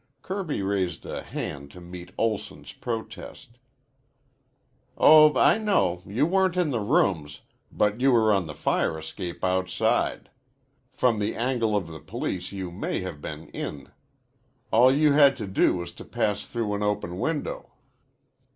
Kirby raised a hand to meet Olson's protest. "Oh, I know. You weren't in the rooms, but you were on the fire escape outside. From the angle of the police you may have been in. All you had to do was to pass through an open window."